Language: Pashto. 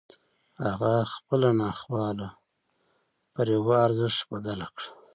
هغه خپله ناخواله پر يوه ارزښت بدله کړه.